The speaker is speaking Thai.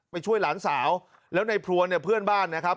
ช่วยหลานสาวแล้วในพรวนเนี่ยเพื่อนบ้านนะครับ